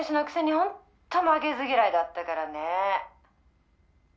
「ほんと負けず嫌いだったからね」